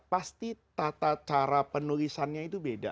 pasti tata cara penulisannya itu beda